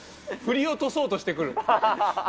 振り落とそうとしてくる。